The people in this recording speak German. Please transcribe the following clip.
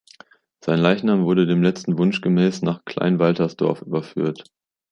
Sein Leichnam wurde dem letzten Wunsch gemäß nach Kleinwaltersdorf überführt.